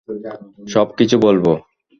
সব কিছু বলবো!